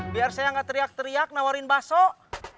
biar saya gak teriak teriak nawarin baso